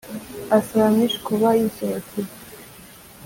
asaba miche kuba yisohokeye.